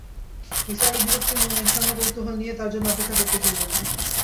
নিসার আলি বিরক্তি-মেশান কৌতূহল নিয়ে তার জন্য অপেক্ষা করতে শুরু করলেন।